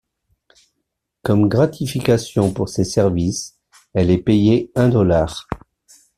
Comme gratification pour ses services, elle est payée un dollar.